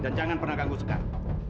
dan jangan pernah ganggu sekar